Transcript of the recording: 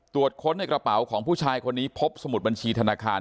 ค้นในกระเป๋าของผู้ชายคนนี้พบสมุดบัญชีธนาคาร